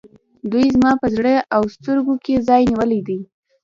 دوی زما په زړه او سترګو کې ځای نیولی دی.